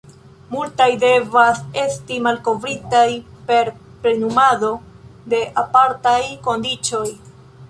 Multaj devas esti malkovritaj per plenumado de apartaj kondiĉoj.